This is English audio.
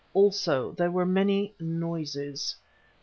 Also there were many noises.